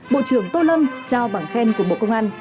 bộ trưởng tô lâm trao bằng khen của bộ công an